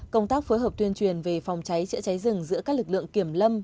công tác phối hợp tuyên truyền về phòng cháy chữa cháy rừng giữa các lực lượng kiểm lâm